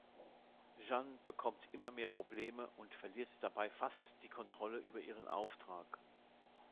Jeanne bekommt immer mehr Probleme und verliert dabei fast die Kontrolle über ihren Auftrag.